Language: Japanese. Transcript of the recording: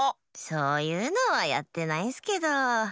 そういうのはやってないんスけど。